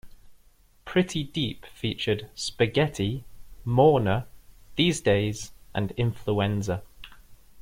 "Pretty Deep" featured "Spaghetti", "Morna", "These Days" and "Influenza".